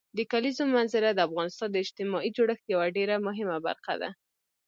د کلیزو منظره د افغانستان د اجتماعي جوړښت یوه ډېره مهمه برخه ده.